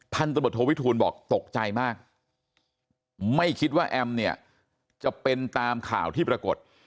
พันธบทโทวิทูลบอกตกใจมากไม่คิดว่าแอมเนี่ยจะเป็นตามข่าวที่ปรากฏ